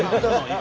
今。